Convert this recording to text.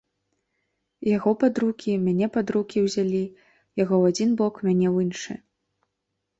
Яго пад рукі, мяне пад рукі ўзялі, яго ў адзін бок, мяне ў іншы.